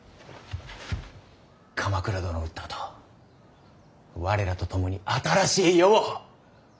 鎌倉殿を討ったあと我らと共に新しい世を。